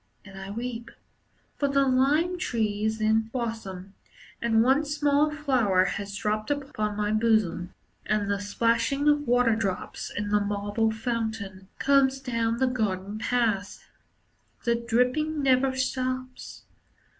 And I weep; For the lime tree is in blossom And one small flower has dropped upon my bosom. And the plashing of waterdrops In the marble fountain Comes down the garden paths. The dripping never stops.